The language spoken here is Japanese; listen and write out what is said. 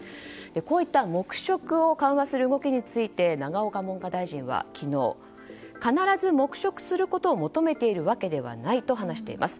こういった黙食を緩和する動きに対して永岡文科大臣は昨日必ず黙食することを求めているわけではないと話しています。